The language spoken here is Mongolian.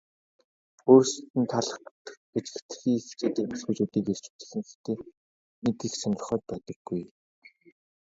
өөрсдөд нь таалагдах гэж хэтэрхий хичээдэг бүсгүйчүүдийг эрчүүд ихэнхдээ нэг их сонирхоод байдаггүй.